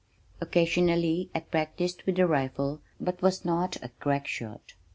Occasionally I practiced with the rifle but was not a crack shot.